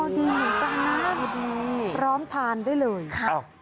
อ๋อดีกันนะพอดีร้อมทานได้เลยครับ